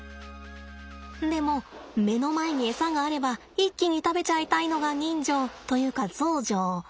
でも目の前にエサがあれば一気に食べちゃいたいのが人情というかゾウ情。